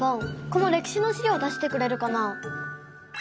この歴史のしりょう出してくれるかな？